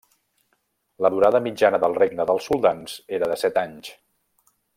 La durada mitjana del regne dels soldans era de set anys.